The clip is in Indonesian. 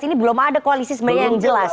ini belum ada koalisi sebenarnya yang jelas